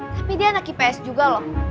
tapi dia anak ips juga loh